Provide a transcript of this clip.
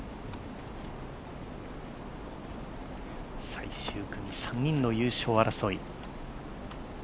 最終組、３人の優勝争い。